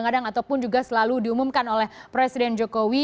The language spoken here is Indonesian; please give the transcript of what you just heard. kadang ataupun juga selalu diumumkan oleh presiden jokowi